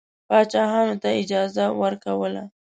پاچاهانو ته اجازه ورکوله.